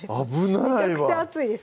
むちゃくちゃ熱いです